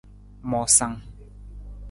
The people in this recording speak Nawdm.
Moosang.